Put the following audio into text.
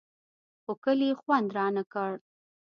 خو کلي خوند رانه کړ.